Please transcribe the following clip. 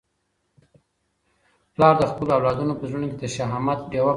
پلار د خپلو اولادونو په زړونو کي د شهامت ډېوه بلوي.